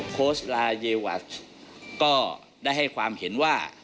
โค้ชลาเยวัชก็ได้ให้ความเห็นว่า